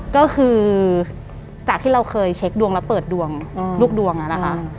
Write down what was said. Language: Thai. ก็คือจากที่เราเคยเช็คดวงแล้วเปิดดวงลูกดวงนะคะ